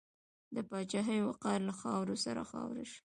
د پاچاهۍ وقار له خاورو سره خاورې شو.